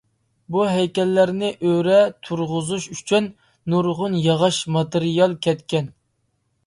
بۇ ھەيكەللەرنى ئۆرە تۇرغۇزۇش ئۈچۈن نۇرغۇن ياغاچ ماتېرىيال كەتكەن.